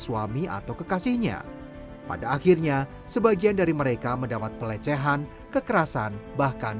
suami atau kekasihnya pada akhirnya sebagian dari mereka mendapat pelecehan kekerasan bahkan